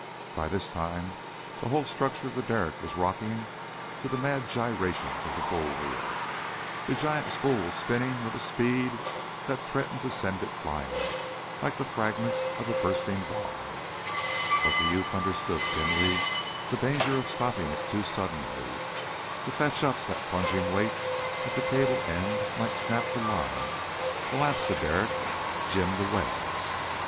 By this time the whole structure of the derrick was rocking to the mad gyrations of the bull wheel; the giant spool was spinning with a speed that threatened to send it flying, like the fragments of a bursting bomb, but the youth understood dimly the danger of stopping it too suddenly to fetch up that plunging weight at the cable end might snap the line, collapse the derrick, "jim" the well.